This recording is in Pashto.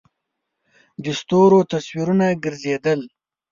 د ستورو تصویرونه گرځېدل.